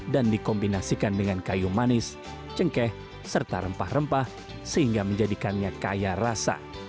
dan dikombinasikan dengan kayu manis cengkeh serta rempah rempah sehingga menjadikannya kaya rasa